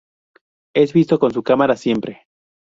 Es visto con su cámara siempre.